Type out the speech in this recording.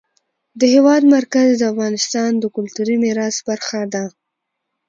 د هېواد مرکز د افغانستان د کلتوري میراث برخه ده.